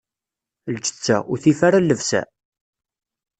Lǧetta, ur tif ara llebsa?